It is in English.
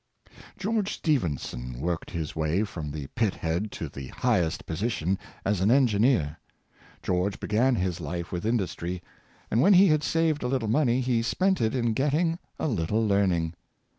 "" George Stephenson worked his way irom the pit head to the highest position as an engineer. George began his life with industry, and when he had saved a little money he spent it in getting a little learning.